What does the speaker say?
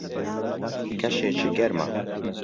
کەشێکی گەرمە.